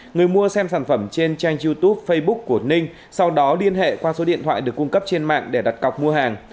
người mua xem sản phẩm trên trang youtube facebook của ninh sau đó liên hệ qua số điện thoại được cung cấp trên mạng để đặt cọc mua hàng